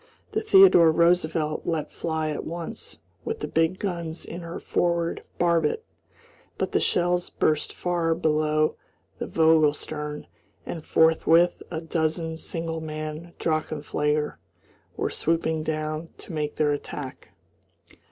The Theodore Roosevelt let fly at once with the big guns in her forward barbette, but the shells burst far below the Vogel stern, and forthwith a dozen single man drachenflieger were swooping down to make their attack.